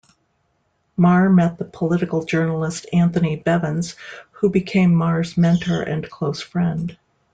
Marr met the political journalist Anthony Bevins, who became Marr's mentor and close friend.